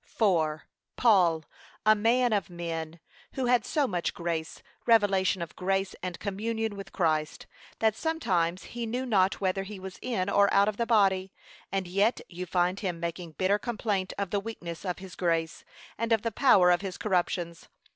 (4.) Paul, a man of men, who had so much grace, revelation of grace and communion with Christ, that sometimes he knew not whether he was in or out of the body, and yet you find him making bitter complaint of the weakness of his grace, and of the power of his corruptions.